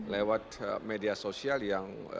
lewat media sosial yang